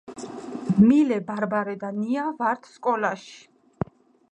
მილე ბარბარე და ნია ვართ სკოლაში